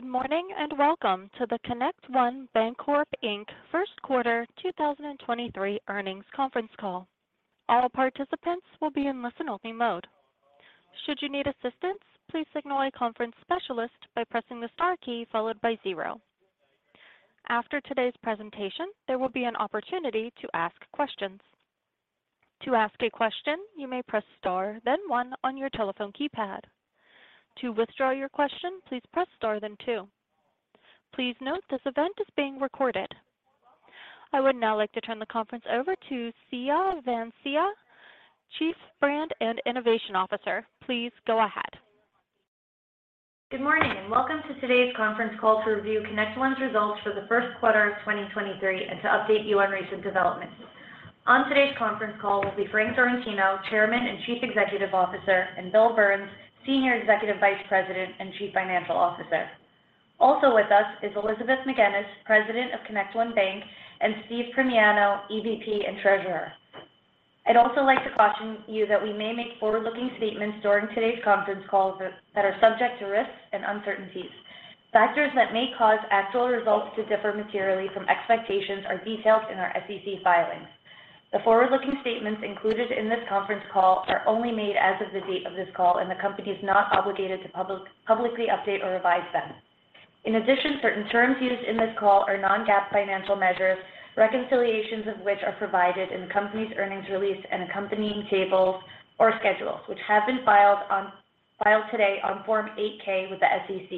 Good morning, and welcome to the ConnectOne Bancorp, Inc. first quarter 2023 earnings conference call. All participants will be in listen-only mode. Should you need assistance, please signal a conference specialist by pressing the star key followed by zero. After today's presentation, there will be an opportunity to ask questions. To ask a question, you may press star, then one on your telephone keypad. To withdraw your question, please press star then two. Please note this event is being recorded. I would now like to turn the conference over to Siya Vansia, Chief Brand and Innovation Officer. Please go ahead. Good morning, and welcome to today's conference call to review ConnectOne's results for the first quarter of 2023 and to update you on recent developments. On today's conference call will be Frank Sorrentino, Chairman and Chief Executive Officer, and Bill Burns, Senior Executive Vice President and Chief Financial Officer. Also with us is Elizabeth Magennis, President of ConnectOne Bank, and Steve Primiano, EVP and Treasurer. I'd also like to caution you that we may make forward-looking statements during today's conference call that are subject to risks and uncertainties. Factors that may cause actual results to differ materially from expectations are detailed in our SEC filings. The forward-looking statements included in this conference call are only made as of the date of this call. The company is not obligated to publicly update or revise them. In addition, certain terms used in this call are non-GAAP financial measures, reconciliations of which are provided in the company's earnings release and accompanying tables or schedules, which have been filed today on Form 8-K with the SEC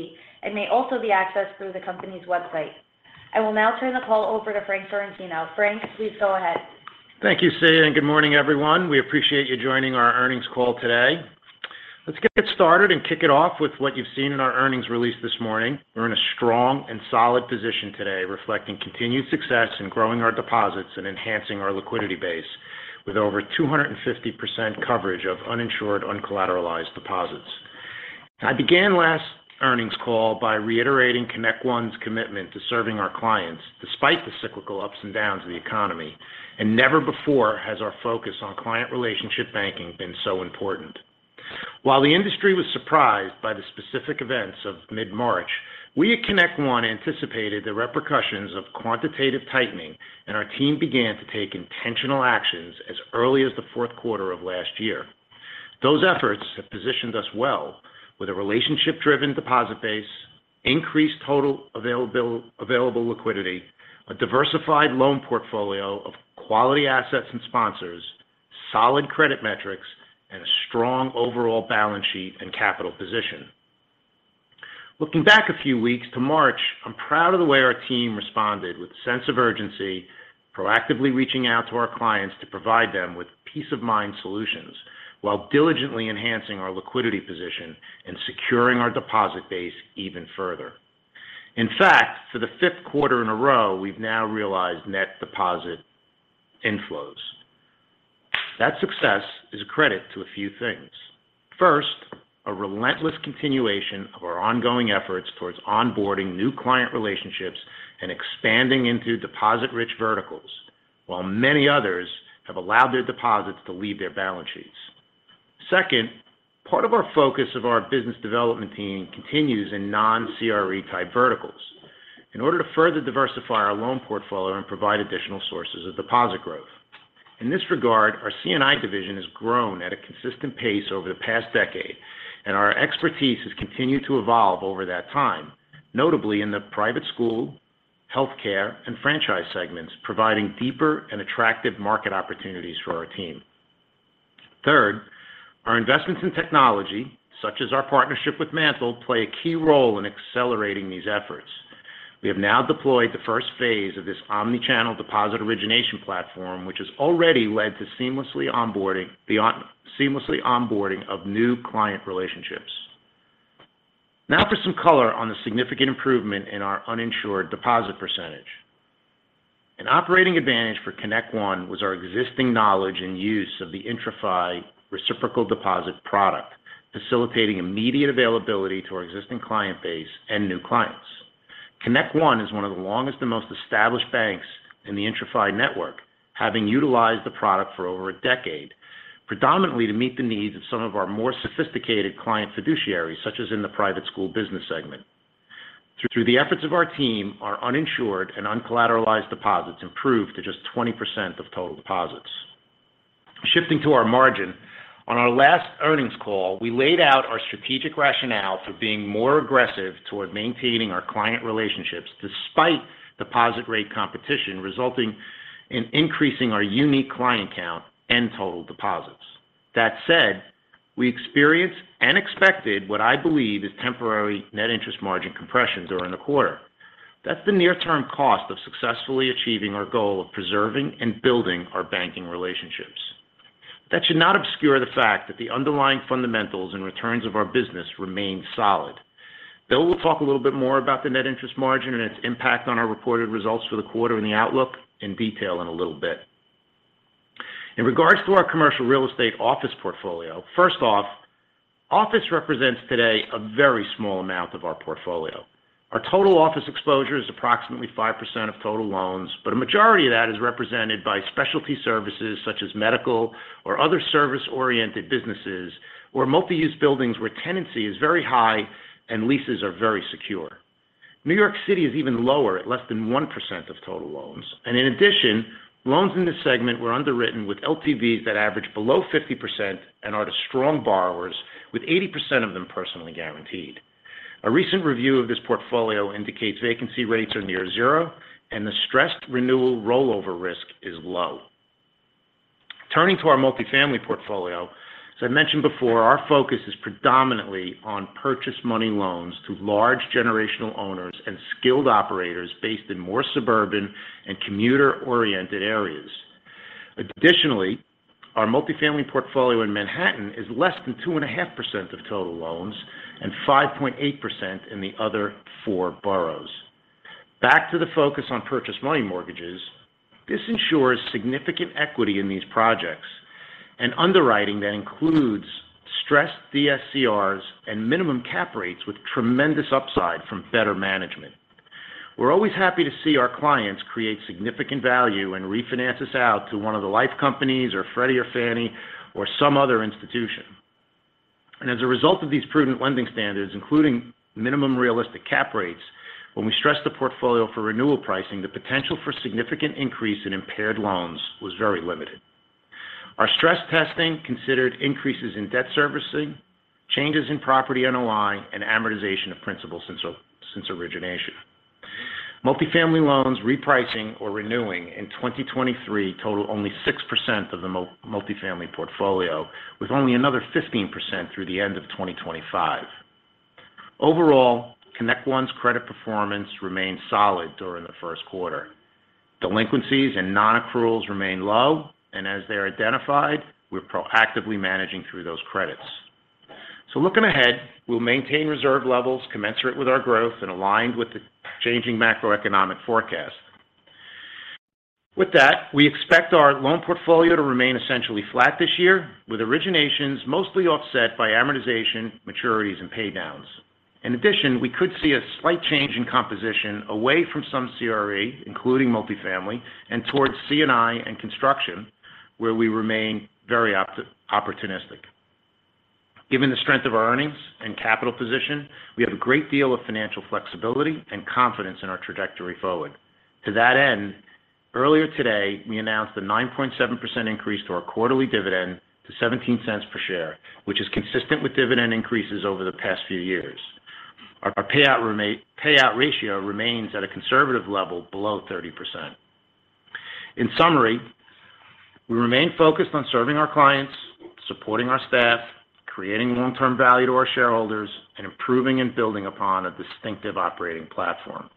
and may also be accessed through the company's website. I will now turn the call over to Frank Sorrentino. Frank, please go ahead. Thank you, Siya, and good morning, everyone. We appreciate you joining our earnings call today. Let's get started and kick it off with what you've seen in our earnings release this morning. We're in a strong and solid position today, reflecting continued success in growing our deposits and enhancing our liquidity base with over 250% coverage of uninsured, uncollateralized deposits. I began last earnings call by reiterating ConnectOne's commitment to serving our clients despite the cyclical ups and downs of the economy, and never before has our focus on client relationship banking been so important. While the industry was surprised by the specific events of mid-March, we at ConnectOne anticipated the repercussions of quantitative tightening, and our team began to take intentional actions as early as the fourth quarter of last year. Those efforts have positioned us well with a relationship-driven deposit base, increased total available liquidity, a diversified loan portfolio of quality assets and sponsors, solid credit metrics, and a strong overall balance sheet and capital position. Looking back a few weeks to March, I'm proud of the way our team responded with sense of urgency, proactively reaching out to our clients to provide them with peace-of-mind solutions while diligently enhancing our liquidity position and securing our deposit base even further. In fact, for the fifth quarter in a row, we've now realized net deposit inflows. That success is a credit to a few things. First, a relentless continuation of our ongoing efforts towards onboarding new client relationships and expanding into deposit-rich verticals, while many others have allowed their deposits to leave their balance sheets. Second, part of our focus of our business development team continues in non-CRE type verticals in order to further diversify our loan portfolio and provide additional sources of deposit growth. In this regard, our C&I division has grown at a consistent pace over the past decade, and our expertise has continued to evolve over that time, notably in the private school, healthcare, and franchise segments, providing deeper and attractive market opportunities for our team. Third, our investments in technology, such as our partnership with MANTL, play a key role in accelerating these efforts. We have now deployed the first phase of this omni-channel deposit origination platform, which has already led to seamlessly onboarding of new client relationships. Now for some color on the significant improvement in our uninsured deposit %. An operating advantage for ConnectOne was our existing knowledge and use of the IntraFi reciprocal deposit product, facilitating immediate availability to our existing client base and new clients. ConnectOne is one of the longest and most established banks in the IntraFi network, having utilized the product for over a decade, predominantly to meet the needs of some of our more sophisticated client fiduciaries, such as in the private school business segment. Through the efforts of our team, our uninsured and uncollateralized deposits improved to just 20% of total deposits. Shifting to our margin, on our last earnings call, we laid out our strategic rationale for being more aggressive toward maintaining our client relationships despite deposit rate competition resulting in increasing our unique client count and total deposits. That said, we experienced and expected what I believe is temporary net interest margin compressions during the quarter. That's the near-term cost of successfully achieving our goal of preserving and building our banking relationships. That should not obscure the fact that the underlying fundamentals and returns of our business remain solid. Bill will talk a little bit more about the net interest margin and its impact on our reported results for the quarter and the outlook in detail in a little bit. In regards to our commercial real estate office portfolio, first off, office represents today a very small amount of our portfolio. Our total office exposure is approximately 5% of total loans, but a majority of that is represented by specialty services such as medical or other service-oriented businesses where multi-use buildings where tenancy is very high and leases are very secure. New York City is even lower at less than 1% of total loans. In addition, loans in this segment were underwritten with LTVs that average below 50% and are to strong borrowers with 80% of them personally guaranteed. A recent review of this portfolio indicates vacancy rates are near zero and the stressed renewal rollover risk is low. Turning to our multifamily portfolio, as I mentioned before, our focus is predominantly on purchase money loans to large generational owners and skilled operators based in more suburban and commuter-oriented areas. Our multifamily portfolio in Manhattan is less than 2.5% of total loans and 5.8% in the other four boroughs. Back to the focus on purchase money mortgages, this ensures significant equity in these projects and underwriting that includes stressed DSCRs and minimum cap rates with tremendous upside from better management. We're always happy to see our clients create significant value and refinance us out to one of the life companies or Freddie Mac or Fannie Mae or some other institution. As a result of these prudent lending standards, including minimum realistic cap rates, when we stress the portfolio for renewal pricing, the potential for significant increase in impaired loans was very limited. Our stress testing considered increases in debt servicing, changes in property NOI, and amortization of principals since origination. Multifamily loans repricing or renewing in 2023 total only 6% of the multifamily portfolio, with only another 15% through the end of 2025. Overall, ConnectOne's credit performance remained solid during the first quarter. Delinquencies and non-accruals remain low. As they are identified, we're proactively managing through those credits. Looking ahead, we'll maintain reserve levels commensurate with our growth and aligned with the changing macroeconomic forecast. With that, we expect our loan portfolio to remain essentially flat this year, with originations mostly offset by amortization, maturities, and paydowns. In addition, we could see a slight change in composition away from some CRE, including multifamily, and towards C&I and construction, where we remain very opportunistic. Given the strength of our earnings and capital position, we have a great deal of financial flexibility and confidence in our trajectory forward. To that end, earlier today, we announced a 9.7% increase to our quarterly dividend to $0.17 per share, which is consistent with dividend increases over the past few years. Our payout ratio remains at a conservative level below 30%. In summary, we remain focused on serving our clients, supporting our staff, creating long-term value to our shareholders, and improving and building upon a distinctive operating platform.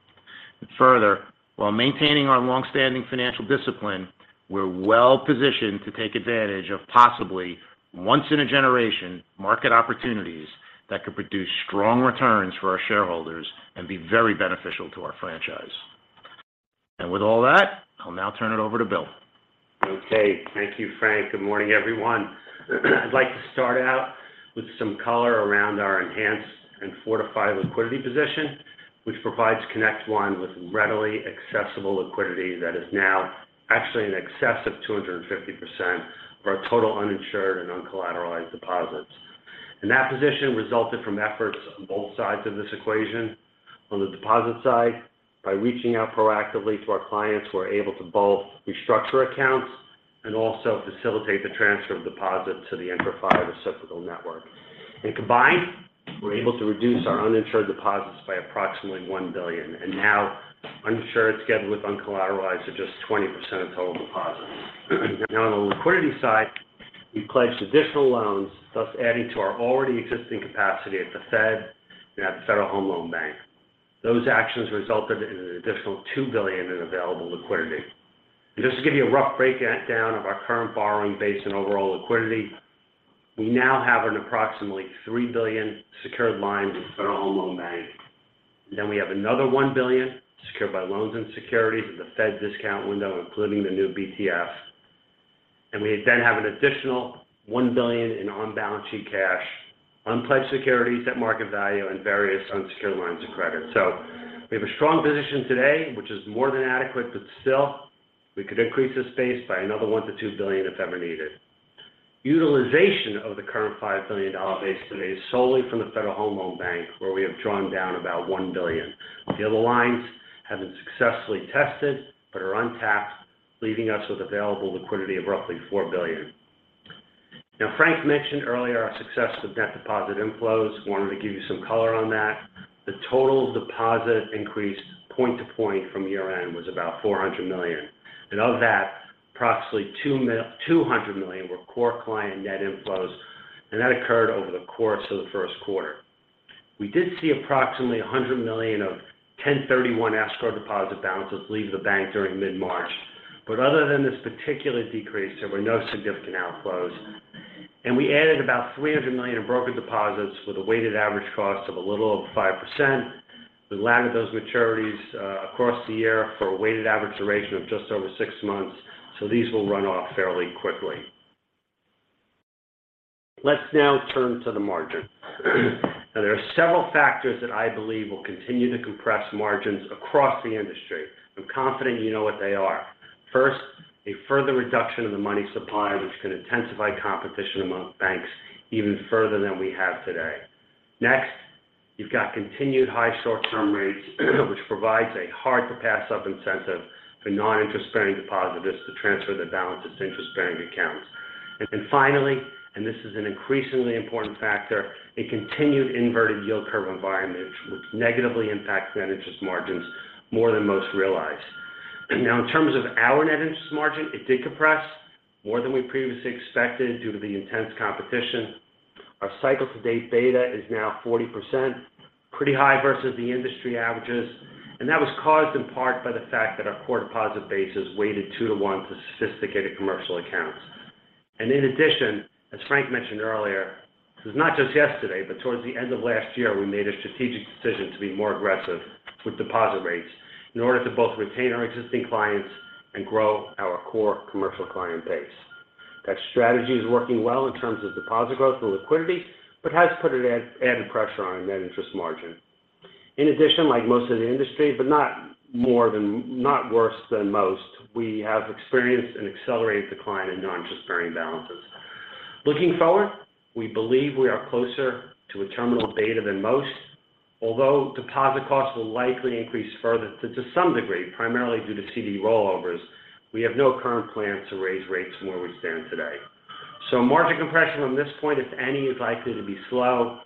Further, while maintaining our long-standing financial discipline, we're well-positioned to take advantage of possibly once-in-a-generation market opportunities that could produce strong returns for our shareholders and be very beneficial to our franchise. With all that, I'll now turn it over to Bill. Okay. Thank you, Frank. Good morning, everyone. I'd like to start out with some color around our enhanced and fortified liquidity position, which provides ConnectOne with readily accessible liquidity that is now actually in excess of 250% of our total uninsured and uncollateralized deposits. That position resulted from efforts on both sides of this equation. On the deposit side, by reaching out proactively to our clients, we're able to both restructure accounts and also facilitate the transfer of deposits to the amplified reciprocal network. Combined, we're able to reduce our uninsured deposits by approximately $1 billion. Now, uninsured together with uncollateralized are just 20% of total deposits. Now on the liquidity side, we pledged additional loans, thus adding to our already existing capacity at the Fed and at the Federal Home Loan Bank. Those actions resulted in an additional $2 billion in available liquidity. Just to give you a rough breakdown of our current borrowing base and overall liquidity, we now have an approximately $3 billion secured line with the Federal Home Loan Bank. We have another $1 billion secured by loans and securities at the Fed's discount window, including the new BTF. We then have an additional $1 billion in on-balance sheet cash, unpledged securities at market value and various unsecured lines of credit. We have a strong position today, which is more than adequate, but still, we could increase this space by another $1 billion-$2 billion if ever needed. Utilization of the current $5 billion base today is solely from the Federal Home Loan Bank, where we have drawn down about $1 billion. The other lines have been successfully tested but are untapped, leaving us with available liquidity of roughly $4 billion. Frank mentioned earlier our success with net deposit inflows. Wanted to give you some color on that. The total deposit increase point to point from year-end was about $400 million. Of that, approximately $200 million were core client net inflows, and that occurred over the course of the first quarter. We did see approximately $100 million of 1031 escrow deposit balances leave the bank during mid-March. Other than this particular decrease, there were no significant outflows. We added about $300 million in broker deposits with a weighted average cost of a little over 5%. We landed those maturities across the year for a weighted average duration of just over 6 months. These will run off fairly quickly. Let's now turn to the margin. There are several factors that I believe will continue to compress margins across the industry. I'm confident you know what they are. First, a further reduction in the money supply, which can intensify competition among banks even further than we have today. You've got continued high short-term rates which provides a hard-to-pass-up incentive for non-interest-bearing depositors to transfer their balance to interest-bearing accounts. Finally, this is an increasingly important factor, a continued inverted yield curve environment which negatively impacts net interest margins more than most realize. In terms of our net interest margin, it did compress more than we previously expected due to the intense competition. Our cycle-to-date beta is now 40%, pretty high versus the industry averages. That was caused in part by the fact that our core deposit base is weighted 2 to 1 to sophisticated commercial accounts. In addition, as Frank mentioned earlier, this was not just yesterday, but towards the end of last year, we made a strategic decision to be more aggressive with deposit rates in order to both retain our existing clients and grow our core commercial client base. That strategy is working well in terms of deposit growth and liquidity, but has put an added pressure on our net interest margin. In addition, like most of the industry, but not worse than most, we have experienced an accelerated decline in non-interest-bearing balances. Looking forward, we believe we are closer to a terminal beta than most. Although deposit costs will likely increase further to some degree, primarily due to CD rollovers, we have no current plans to raise rates more than we stand today. Margin compression on this point, if any, is likely to be slow.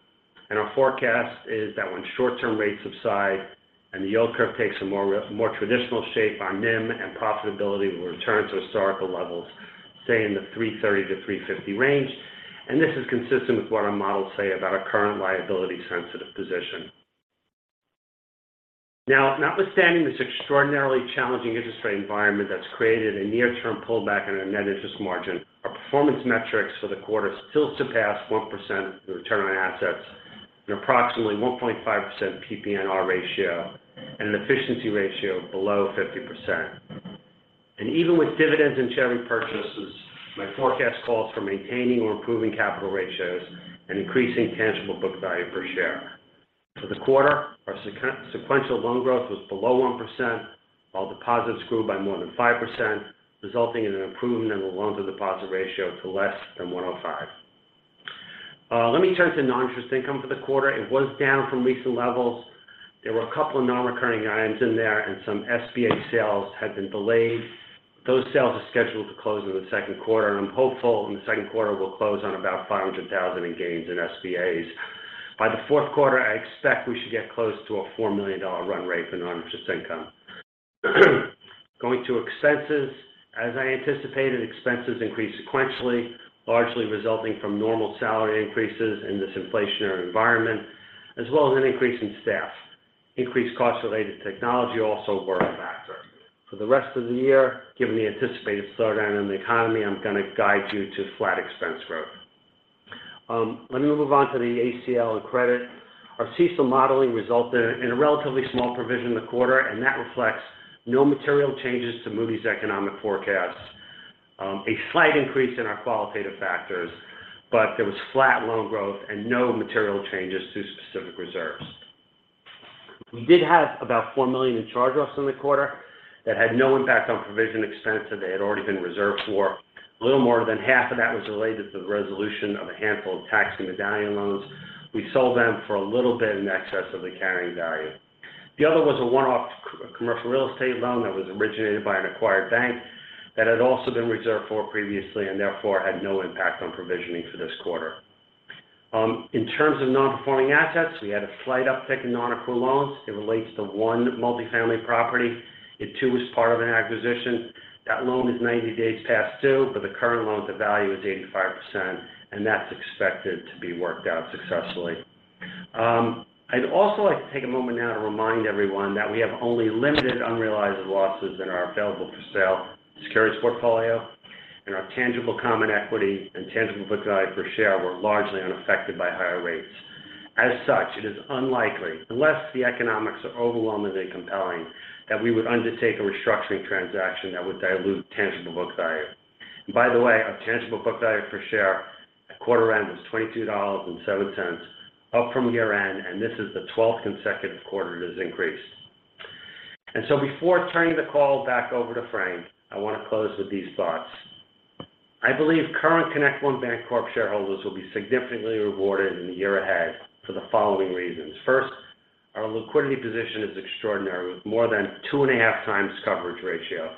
Our forecast is that when short-term rates subside and the yield curve takes a more traditional shape, our NIM and profitability will return to historical levels, say in the 3.30%-3.50% range. This is consistent with what our models say about our current liability-sensitive position. Now, notwithstanding this extraordinarily challenging interest rate environment that's created a near-term pullback on our net interest margin, our performance metrics for the quarter still surpassed 1% of the return on assets and approximately 1.5% PPNR ratio and an efficiency ratio below 50%. Even with dividends and share repurchases, my forecast calls for maintaining or improving capital ratios and increasing tangible book value per share. For the quarter, our sequential loan growth was below 1%, while deposits grew by more than 5%, resulting in an improvement in the loan-to-deposit ratio to less than 105. Let me turn to non-interest income for the quarter. It was down from recent levels. There were a couple of non-recurring items in there, some SBA sales had been delayed. Those sales are scheduled to close in the second quarter. I'm hopeful in the second quarter we'll close on about $500,000 in gains in SBAs. By the fourth quarter, I expect we should get close to a $4 million run rate for non-interest income. Going to expenses. As I anticipated, expenses increased sequentially, largely resulting from normal salary increases in this inflationary environment, as well as an increase in staff. Increased costs related to technology also were a factor. For the rest of the year, given the anticipated slowdown in the economy, I'm going to guide you to flat expense growth. Let me move on to the ACL and credit. Our CECL modeling resulted in a relatively small provision in the quarter. That reflects no material changes to Moody's economic forecast. A slight increase in our qualitative factors. There was flat loan growth and no material changes to specific reserves. We did have about $4 million in charge-offs in the quarter that had no impact on provision expense, that they had already been reserved for. A little more than half of that was related to the resolution of a handful of taxi medallion loans. We sold them for a little bit in excess of the carrying value. The other was a one-off commercial real estate loan that was originated by an acquired bank that had also been reserved for previously and therefore had no impact on provisioning for this quarter. In terms of non-performing assets, we had a slight uptick in non-accrual loans. It relates to one multi-family property. It too was part of an acquisition. That loan is 90 days past due, but the current loan-to-value is 85%, and that's expected to be worked out successfully. I'd also like to take a moment now to remind everyone that we have only limited unrealized losses in our available-for-sale securities portfolio, and our tangible common equity and tangible book value per share were largely unaffected by higher rates. As such, it is unlikely, unless the economics are overwhelmingly compelling, that we would undertake a restructuring transaction that would dilute tangible book value. By the way, our tangible book value per share at quarter end was $22.07, up from year-end, and this is the 12th consecutive quarter it has increased. Before turning the call back over to Frank, I want to close with these thoughts. I believe current ConnectOne Bancorp shareholders will be significantly rewarded in the year ahead for the following reasons. First, our liquidity position is extraordinary with more than 2 and a half times coverage ratio.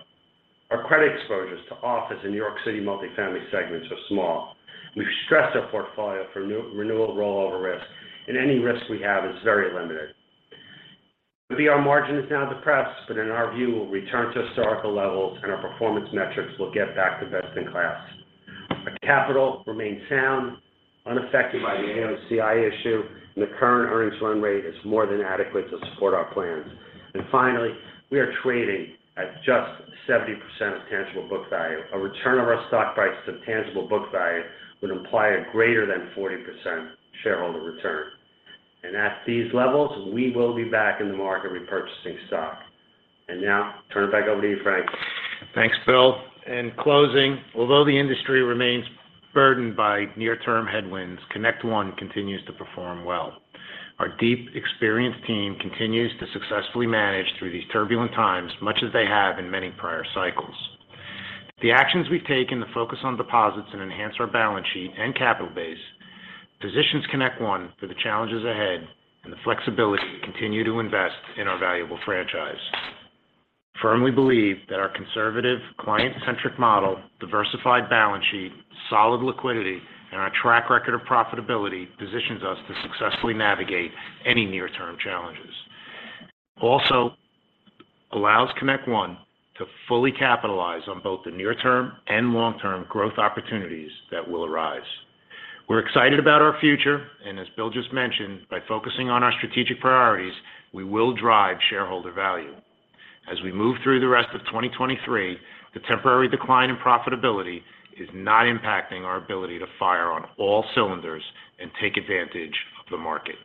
Our credit exposures to office and New York City multifamily segments are small. We've stressed our portfolio for renewal rollover risk, and any risk we have is very limited. Maybe our margin is now depressed, in our view, we'll return to historical levels and our performance metrics will get back to best in class. Our capital remains sound, unaffected by the AOCI issue, the current earnings loan rate is more than adequate to support our plans. Finally, we are trading at just 70% of tangible book value. A return of our stock price to tangible book value would imply a greater than 40% shareholder return. At these levels, we will be back in the market repurchasing stock. Now, turn it back over to you, Frank. Thanks, Bill. In closing, although the industry remains burdened by near-term headwinds, ConnectOne continues to perform well. Our deep experienced team continues to successfully manage through these turbulent times much as they have in many prior cycles. The actions we've taken to focus on deposits and enhance our balance sheet and capital base positions ConnectOne for the challenges ahead and the flexibility to continue to invest in our valuable franchise. I firmly believe that our conservative client-centric model, diversified balance sheet, solid liquidity, and our track record of profitability positions us to successfully navigate any near-term challenges. Allows ConnectOne to fully capitalize on both the near-term and long-term growth opportunities that will arise. We're excited about our future, as Bill just mentioned, by focusing on our strategic priorities, we will drive shareholder value. As we move through the rest of 2023, the temporary decline in profitability is not impacting our ability to fire on all cylinders and take advantage of the market.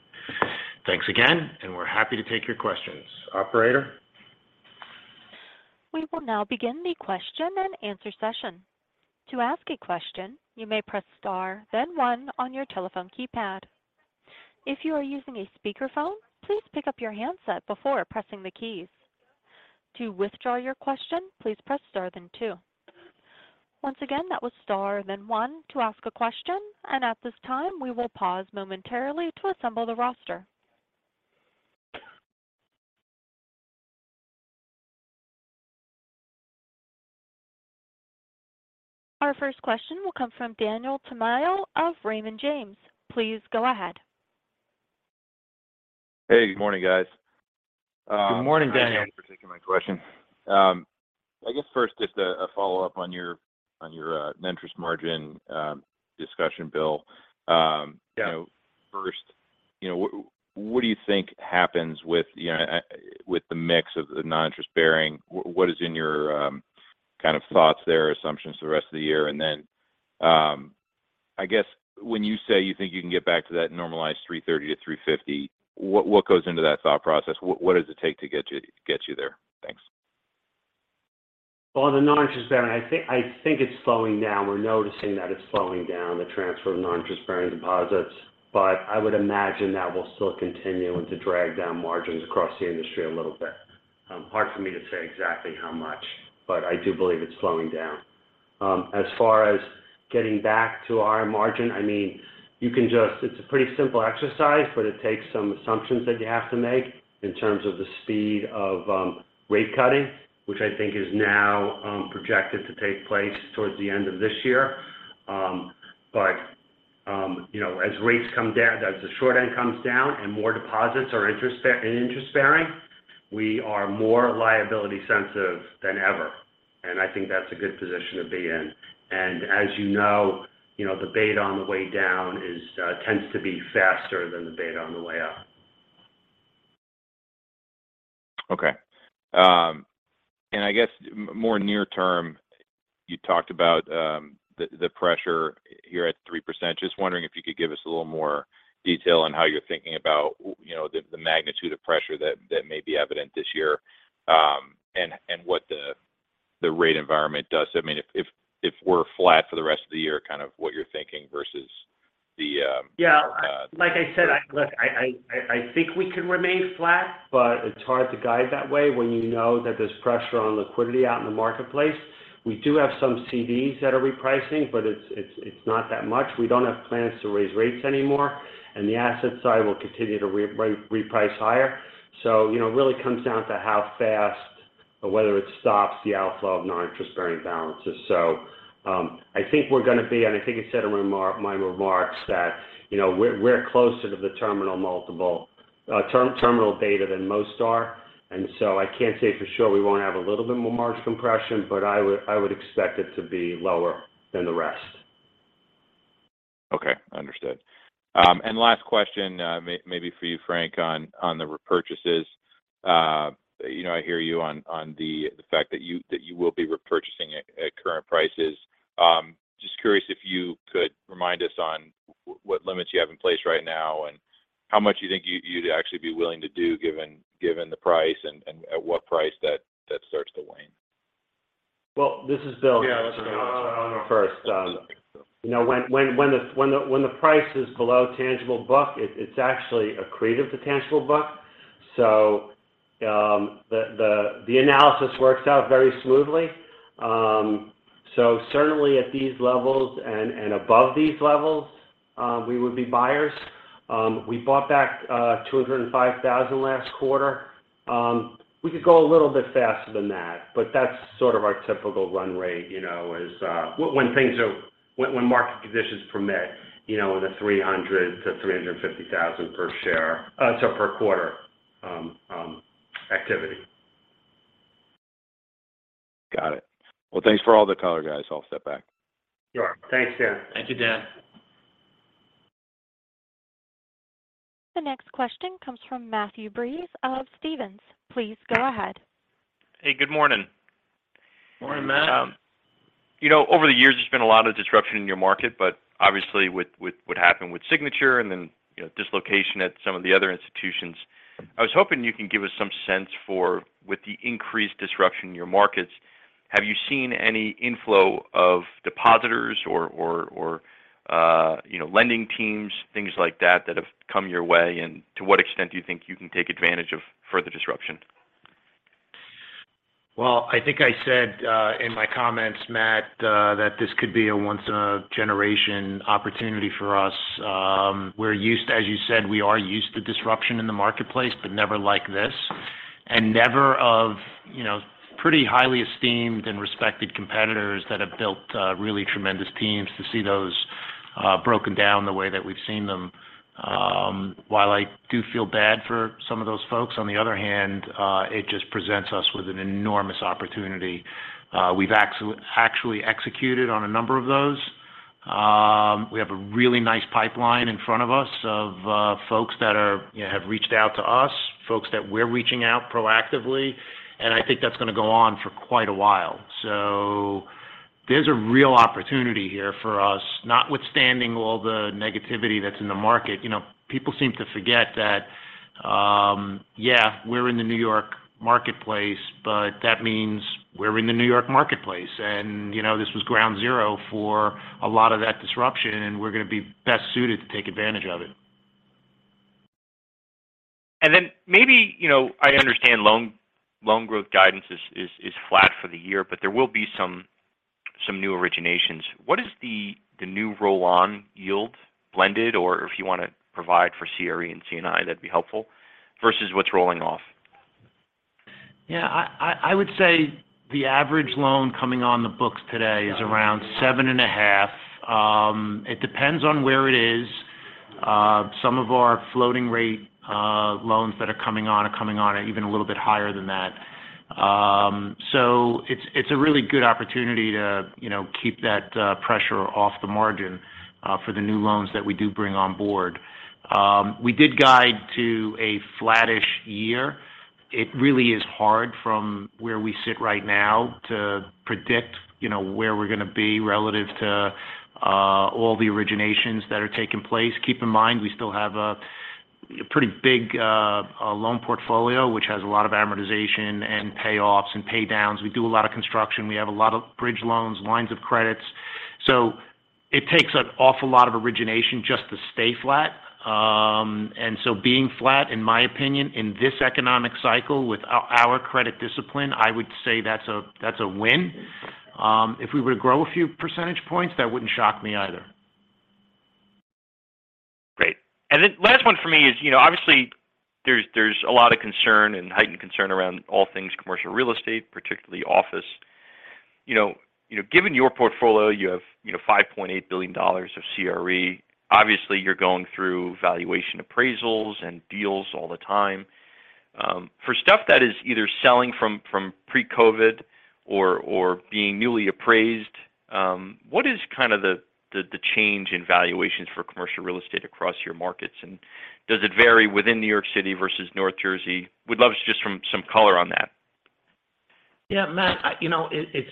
Thanks again, and we're happy to take your questions. Operator? We will now begin the question and answer session. To ask a question, you may press star, then one on your telephone keypad. If you are using a speakerphone, please pick up your handset before pressing the keys. To withdraw your question, please press star then two. Once again, that was star then one to ask a question. At this time, we will pause momentarily to assemble the roster. Our first question will come from Daniel Tamayo of Raymond James. Please go ahead. Hey, good morning, guys. Good morning, Daniel. Thanks for taking my question. I guess first, just a follow-up on your, on your net interest margin discussion, Bill. You know, first, you know, what do you think happens with, you know, with the mix of the non-interest bearing? What is in your kind of thoughts there, assumptions for the rest of the year? I guess when you say you think you can get back to that normalized 3.30%-3.50%, what goes into that thought process? What does it take to get you there? Thanks. On the non-interest bearing, I think it's slowing down. We're noticing that it's slowing down the transfer of non-interest bearing deposits. I would imagine that will still continue and to drag down margins across the industry a little bit. Hard for me to say exactly how much, but I do believe it's slowing down. As far as getting back to our margin, I mean, you can just it's a pretty simple exercise, but it takes some assumptions that you have to make in terms of the speed of rate cutting, which I think is now projected to take place towards the end of this year. You know, as rates come down, as the short end comes down and more deposits are interest bearing, we are more liability sensitive than ever, and I think that's a good position to be in. As you know, you know, the beta on the way down is, tends to be faster than the beta on the way up. Okay. And I guess more near term, you talked about the pressure here at 3%. Just wondering if you could give us a little more detail on how you're thinking about, you know, the magnitude of pressure that may be evident this year, and what the rate environment does. I mean, if we're flat for the rest of the year, kind of what you're thinking versus the- Yeah. Like I said, look, I think we can remain flat, it's hard to guide that way when you know that there's pressure on liquidity out in the marketplace. We do have some CDs that are repricing, it's not that much. We don't have plans to raise rates anymore, the asset side will continue to reprice higher. You know, it really comes down to how fast or whether it stops the outflow of non-interest bearing balances. I think we're going to be, I think I said in my remarks that, you know, we're closer to the terminal multiple, terminal beta than most are. I can't say for sure we won't have a little bit more margin compression, I would expect it to be lower than the rest. Okay. Understood. Last question, maybe for you, Frank, on the repurchases. You know, I hear you on the fact that you will be repurchasing at current prices. Just curious if you could remind us on what limits you have in place right now and how much you think you'd actually be willing to do given the price and at what price that starts to wane. Well, this is Bill. Yeah. First, you know, when the price is below tangible book, it's actually accretive to tangible book. The analysis works out very smoothly. Certainly at these levels and above these levels, we would be buyers. We bought back 205,000 last quarter. We could go a little bit faster than that, but that's sort of our typical run rate, you know, is, when market conditions permit, you know, the $300,000-$350,000 per share, so per quarter, activity. Got it. Well, thanks for all the color, guys. I'll step back. Sure. Thanks, Dan. Thank you, Dan. The next question comes from Matt Breese of Stephens. Please go ahead. Hey, good morning. Morning, Matt. You know, over the years, there's been a lot of disruption in your market, but obviously with what happened with Signature Bank and then, you know, dislocation at some of the other institutions. I was hoping you can give us some sense for with the increased disruption in your markets, have you seen any inflow of depositors or, or, uh, you know, lending teams, things like that have come your way? To what extent do you think you can take advantage of further disruption? Well, I think I said, in my comments, Matt, that this could be a once in a generation opportunity for us. As you said, we are used to disruption in the marketplace, but never like this. And never of, you know, pretty highly esteemed and respected competitors that have built, really tremendous teams to see those broken down the way that we've seen them. While I do feel bad for some of those folks, on the other hand, it just presents us with an enormous opportunity. We've actually executed on a number of those. We have a really nice pipeline in front of us of folks that have reached out to us, folks that we're reaching out proactively, and I think that's gonna go on for quite a while. There's a real opportunity here for us, notwithstanding all the negativity that's in the market. You know, people seem to forget that, yeah, we're in the New York marketplace, but that means we're in the New York marketplace. You know, this was ground zero for a lot of that disruption, and we're gonna be best suited to take advantage of it. Maybe, you know, I understand loan growth guidance is flat for the year, but there will be some new originations. What is the new roll-on yield blended, or if you wanna provide for CRE and C&I, that'd be helpful, versus what's rolling off? I would say the average loan coming on the books today is around 7.5%. It depends on where it is. Some of our floating rate loans that are coming on are coming on even a little bit higher than that. It's a really good opportunity to, you know, keep that pressure off the margin for the new loans that we do bring on board. We did guide to a flattish year. It really is hard from where we sit right now to predict, you know, where we're gonna be relative to all the originations that are taking place. Keep in mind, we still have a pretty big loan portfolio, which has a lot of amortization and payoffs and pay downs. We do a lot of construction. We have a lot of bridge loans, lines of credits. It takes an awful lot of origination just to stay flat. Being flat, in my opinion, in this economic cycle with our credit discipline, I would say that's a win. If we were to grow a few percentage points, that wouldn't shock me either. Great. Last one for me is, you know, obviously, there's a lot of concern and heightened concern around all things commercial real estate, particularly office. You know, you know, given your portfolio, you have, you know, $5.8 billion of CRE. Obviously, you're going through valuation appraisals and deals all the time. For stuff that is either selling from pre-COVID or being newly appraised, what is kind of the change in valuations for commercial real estate across your markets? Does it vary within New York City versus North Jersey? We'd love just some color on that. Matt, you know, it's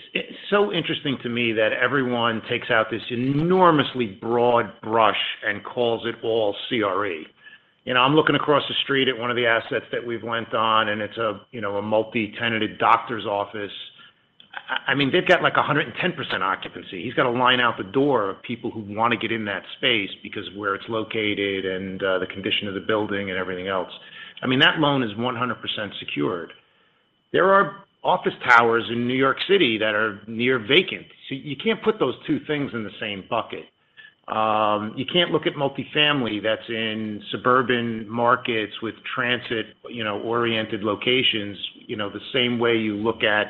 so interesting to me that everyone takes out this enormously broad brush and calls it all CRE. I'm looking across the street at one of the assets that we've lent on, and it's a, you know, a multi-tenanted doctor's office. I mean, they've got like 110% occupancy. He's got a line out the door of people who want to get in that space because of where it's located and the condition of the building and everything else. I mean, that loan is 100% secured. There are office towers in New York City that are near vacant. You can't put those two things in the same bucket. You can't look at multifamily that's in suburban markets with transit, you know, oriented locations, you know, the same way you look at,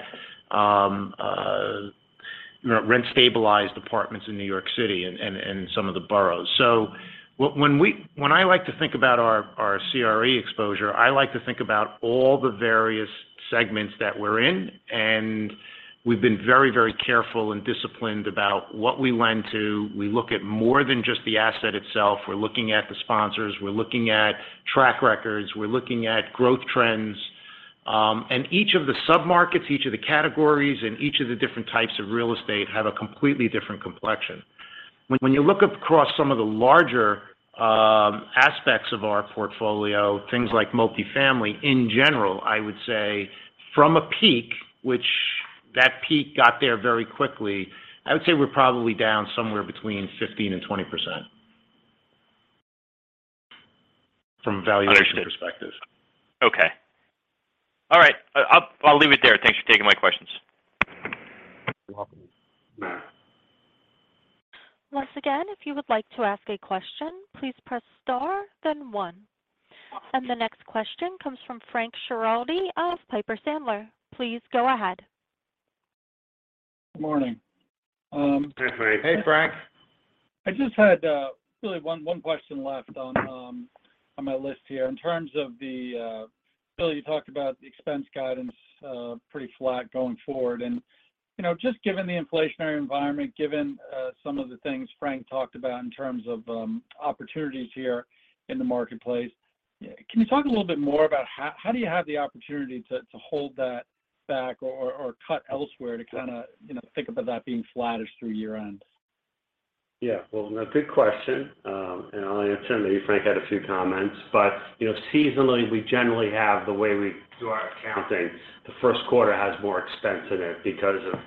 you know, rent-stabilized apartments in New York City and some of the boroughs. When I like to think about our CRE exposure, I like to think about all the various segments that we're in, and we've been very careful and disciplined about what we lend to. We look at more than just the asset itself. We're looking at the sponsors. We're looking at track records. We're looking at growth trends. Each of the sub-markets, each of the categories, and each of the different types of real estate have a completely different complexion. When you look across some of the larger, aspects of our portfolio, things like multifamily in general, I would say from a peak, which that peak got there very quickly, I would say we're probably down somewhere between 15% and 20% from a valuation perspective. Understood. Okay. All right. I'll leave it there. Thanks for taking my questions. You're welcome, Matt. Once again, if you would like to ask a question, please press star then one. The next question comes from Frank Schiraldi of Piper Sandler. Please go ahead. Morning. Hey, Frank. I just had really one question left on my list here. In terms of the, Bill, you talked about the expense guidance pretty flat going forward. You know, just given the inflationary environment, given some of the things Frank talked about in terms of opportunities here in the marketplace, can you talk a little bit more about how do you have the opportunity to hold that back or cut elsewhere to kinda, you know, think about that being flattish through year-end? Yeah. Well, a good question. I'll answer that. Frank had a few comments. You know, seasonally, we generally have the way we do our accounting. The first quarter has more expense in it because of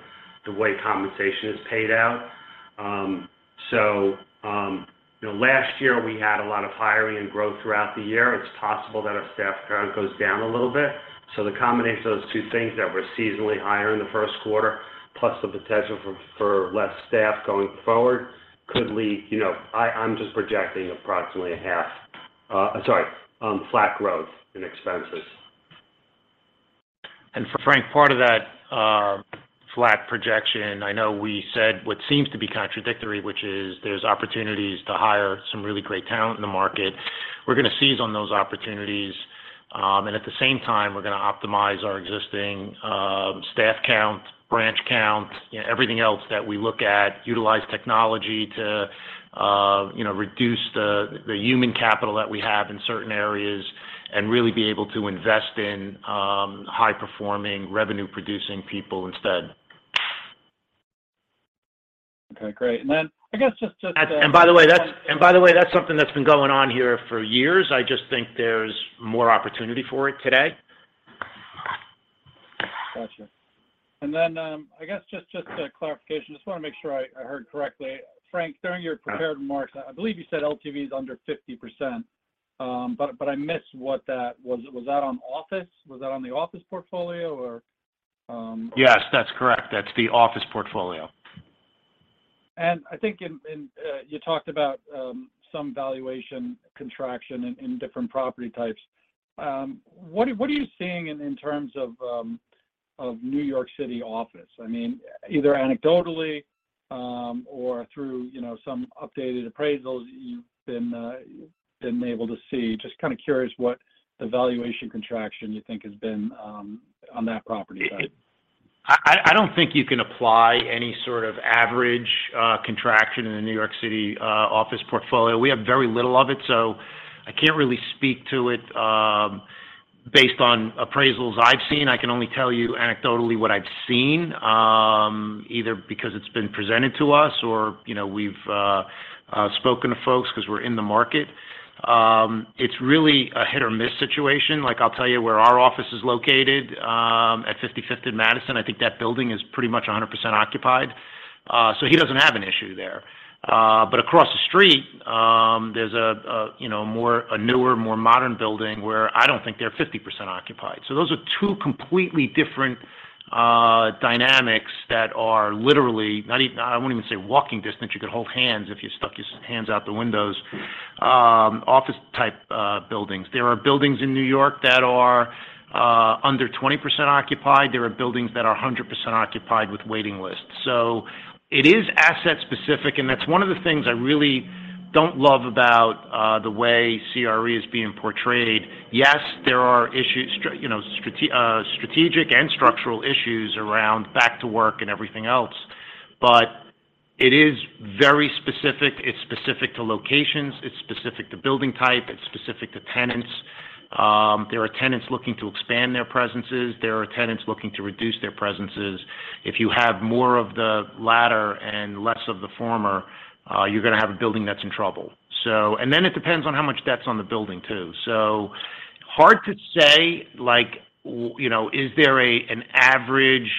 the way compensation is paid out. You know, last year we had a lot of hiring and growth throughout the year. It's possible that our staff count goes down a little bit. The combination of those two things that we're seasonally higher in the first quarter, plus the potential for less staff going forward could lead, you know. I'm just projecting approximately a half, sorry, flat growth in expenses. For Frank, part of that flat projection, I know we said what seems to be contradictory, which is there's opportunities to hire some really great talent in the market. We're gonna seize on those opportunities. At the same time we're gonna optimize our existing staff count, branch count, you know, everything else that we look at. Utilize technology to, you know, reduce the human capital that we have in certain areas and really be able to invest in high-performing revenue producing people instead. Okay, great. I guess just. By the way, that's something that's been going on here for years. I just think there's more opportunity for it today. Gotcha. I guess just a clarification, just wanna make sure I heard correctly. Frank, during your prepared remarks, I believe you said LTV is under 50%. But I missed what that. Was that on office? Was that on the office portfolio or? Yes, that's correct. That's the office portfolio. I think in you talked about some valuation contraction in different property types. What are you seeing in terms of New York City office? I mean, either anecdotally, or through, you know, some updated appraisals you've been able to see. Just kind of curious what the valuation contraction you think has been on that property type? I don't think you can apply any sort of average contraction in the New York City office portfolio. We have very little of it, so I can't really speak to it, based on appraisals I've seen. I can only tell you anecdotally what I've seen, either because it's been presented to us or, you know, we've spoken to folks 'cause we're in the market. It's really a hit-or-miss situation. Like, I'll tell you where our office is located, at 50th and Madison, I think that building is pretty much 100% occupied. So he doesn't have an issue there. But across the street, there's a, you know, a newer, more modern building where I don't think they're 50% occupied. Those are two completely different dynamics that are literally, I won't even say walking distance, you could hold hands if you stuck your hands out the windows, office type buildings. There are buildings in New York that are under 20% occupied. There are buildings that are 100% occupied with waiting lists. It is asset specific, and that's one of the things I really don't love about the way CRE is being portrayed. Yes, there are issues, you know, strategic and structural issues around back to work and everything else, but it is very specific. It's specific to locations, it's specific to building type, it's specific to tenants. There are tenants looking to expand their presences. There are tenants looking to reduce their presences. If you have more of the latter and less of the former, you're gonna have a building that's in trouble. It depends on how much debt's on the building too. Hard to say, like, you know, is there an average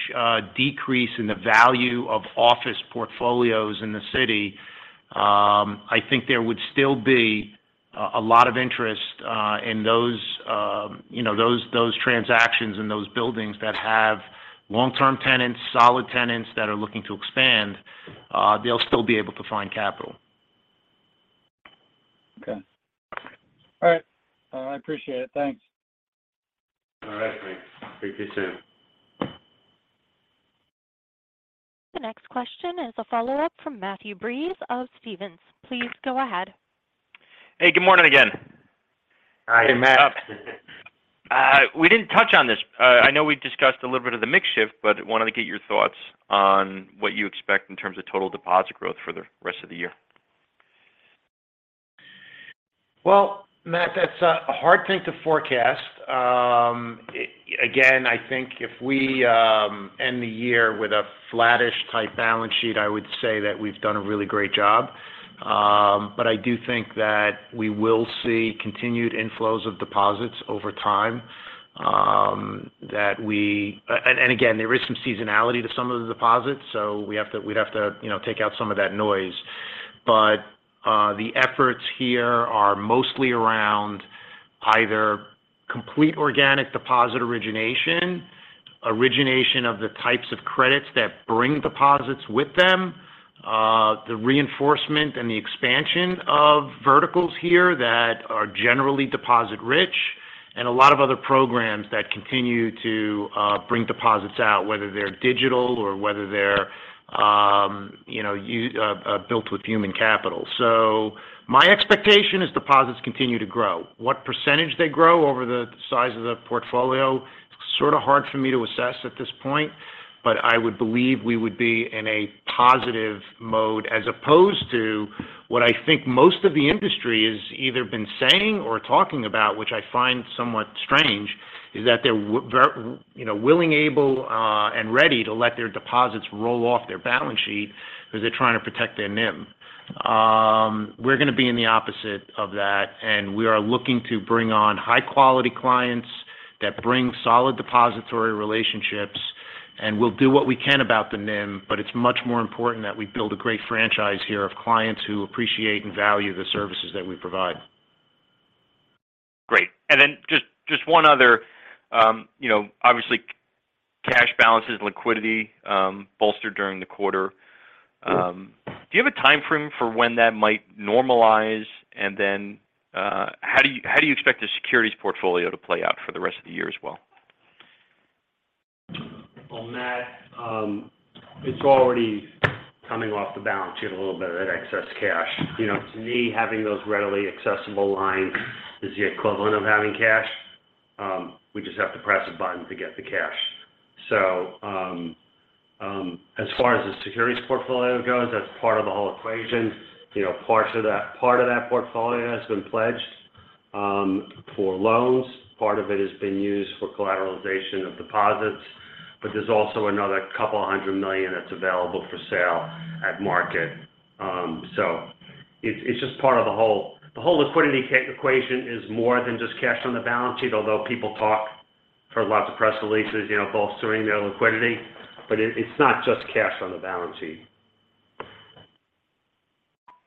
decrease in the value of office portfolios in the city? I think there would still be a lot of interest in those, you know, those transactions and those buildings that have long-term tenants, solid tenants that are looking to expand. They'll still be able to find capital. Okay. All right. I appreciate it. Thanks. All right, Frank. Speak to you soon. The next question is a follow-up from Matt Breese of Stephens. Please go ahead. Hey, good morning again. Hi, Matt. We didn't touch on this. I know we discussed a little bit of the mix shift, but wanted to get your thoughts on what you expect in terms of total deposit growth for the rest of the year. Well, Matt, that's a hard thing to forecast. Again, I think if we end the year with a flattish type balance sheet, I would say that we've done a really great job. I do think that we will see continued inflows of deposits over time, again, there is some seasonality to some of the deposits, so we'd have to, you know, take out some of that noise. The efforts here are mostly around either complete organic deposit origination of the types of credits that bring deposits with them, the reinforcement and the expansion of verticals here that are generally deposit rich, and a lot of other programs that continue to bring deposits out, whether they're digital or whether they're, you know, built with human capital. My expectation is deposits continue to grow. What percentage they grow over the size of the portfolio, sort of hard for me to assess at this point, but I would believe we would be in a positive mode as opposed to. What I think most of the industry has either been saying or talking about, which I find somewhat strange, is that they're you know, willing, able, and ready to let their deposits roll off their balance sheet because they're trying to protect their NIM. We're gonna be in the opposite of that, we are looking to bring on high-quality clients that bring solid depository relationships, and we'll do what we can about the NIM, but it's much more important that we build a great franchise here of clients who appreciate and value the services that we provide. Great. Just one other. You know, obviously cash balances, liquidity, bolstered during the quarter. Do you have a time frame for when that might normalize? How do you expect the securities portfolio to play out for the rest of the year as well? Matt, it's already coming off the balance sheet a little bit, that excess cash. You know, to me, having those readily accessible lines is the equivalent of having cash. We just have to press a button to get the cash. As far as the securities portfolio goes, that's part of the whole equation. You know, part of that portfolio has been pledged for loans. Part of it has been used for collateralization of deposits, but there's also another couple hundred million that's available for sale at market. It's just part of the whole. The whole liquidity equation is more than just cash on the balance sheet, although people talk for lots of press releases, you know, bolstering their liquidity, but it's not just cash on the balance sheet.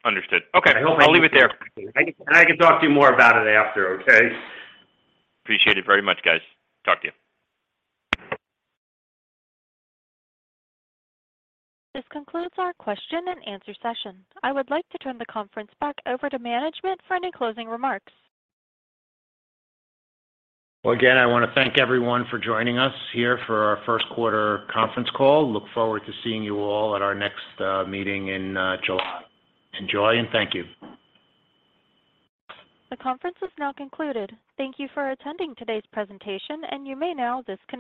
Understood. Okay. I hope I- I'll leave it there. I can talk to you more about it after, okay? Appreciate it very much, guys. Talk to you. This concludes our question and answer session. I would like to turn the conference back over to management for any closing remarks. Well, again, I want to thank everyone for joining us here for our first quarter conference call. Look forward to seeing you all at our next meeting in July. Enjoy. Thank you. The conference is now concluded. Thank you for attending today's presentation. You may now disconnect.